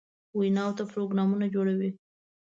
ویناوو ته پروګرامونه جوړوي.